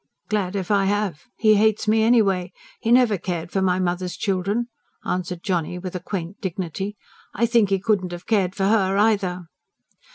"Glad if I have! He hates me anyway. He never cared for my mother's children," answered Johnny with a quaint dignity. "I think he couldn't have cared for her either."